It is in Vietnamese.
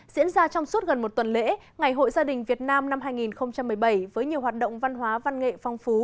diễn ra trong suốt gần một tuần lễ ngày hội gia đình việt nam năm hai nghìn một mươi bảy với nhiều hoạt động văn hóa văn nghệ phong phú